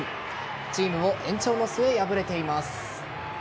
チームも延長の末、敗れています。